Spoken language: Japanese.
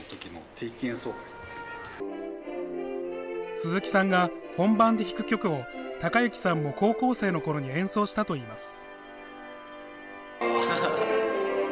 鈴木さんが本番で弾く曲を崇之さんも高校生のころに演奏したといいます。